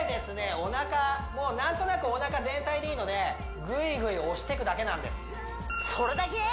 おなかをなんとなくおなか全体でいいのでぐいぐい押してくだけなんですそれだけ？